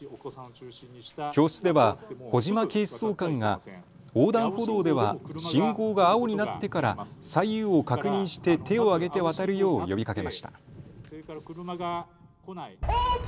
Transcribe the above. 教室では小島警視総監が横断歩道では信号が青になってから左右を確認して手を上げて渡るよう呼びかけました。